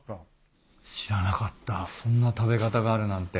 知らなかったそんな食べ方があるなんて。